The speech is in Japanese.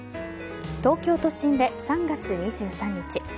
東京都心で３月２３日